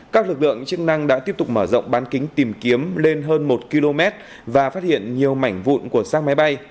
các lực lượng chức năng đã tiếp tục mở rộng bán kính tìm kiếm lên hơn một km và phát hiện nhiều mảnh vụn của sang máy bay